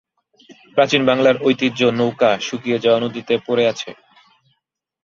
প্রাচীন বাংলার ঐতিহ্য নৌকা শুকিয়ে যাওয়া নদীতে পড়ে আছে।